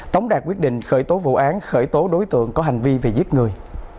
tống đạt quyết định khởi tố vụ án khởi tố đối tượng có hành vi về giết người